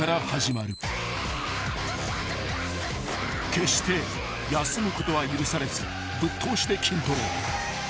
［決して休むことは許されずぶっ通しで筋トレ］